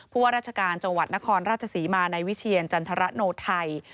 ว่าราชการจังหวัดนครราชศรีมาในวิเชียรจันทรโนไทย